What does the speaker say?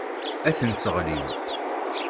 Ad ten-sseɣlin.